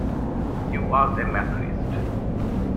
He was a Methodist.